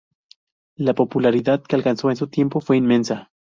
La popularidad que alcanzó en su tiempo fue inmensa.